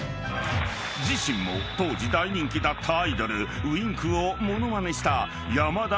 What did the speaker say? ［自身も当時大人気だったアイドルＷｉｎｋを物まねしたやまだ